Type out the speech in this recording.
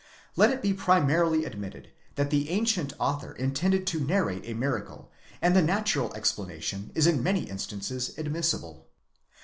Let it be primarily admitted that the ancient author intended to narrate a miracle, and the natural explanation is in many instances admissible.